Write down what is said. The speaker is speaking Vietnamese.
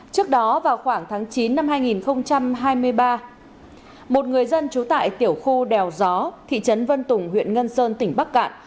trước đó vào khoảng tháng chín năm hai nghìn hai mươi ba một người dân trú tại tiểu khu đèo gió thị trấn vân tùng huyện ngân sơn tỉnh bắc cạn